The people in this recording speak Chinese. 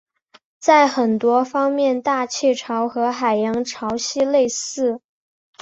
在很多方面大气潮和海洋潮汐类似。